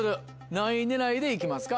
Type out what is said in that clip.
何位狙いで行きますか？